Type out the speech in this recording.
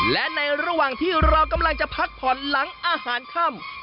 และในระหว่างที่เรากำลังจะพักผ่อนหลังอาหารค่ำ